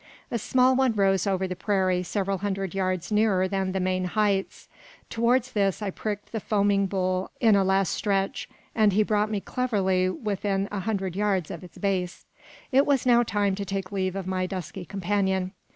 A small one rose over the prairie, several hundred yards nearer than the main heights. Towards this I pricked the foaming bull in a last stretch, and he brought me cleverly within a hundred yards of its base. It was now time to take leave of my dusky companion.